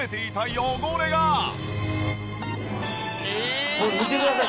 これ見てください